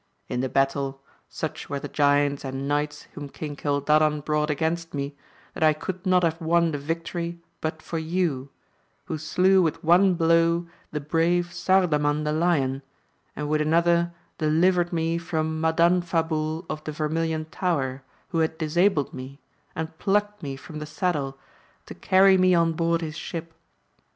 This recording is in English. In the battle, such were the giants and knights whom King Cildadan brought against me, that I could not have won the victory but for you, who slew with one blow the brave Sardaraan the Lion, and with another delivered me from Madanfabul of the Vermilion Tower, who had disabled me, and plucked me from the saddle to carry me on board his ship.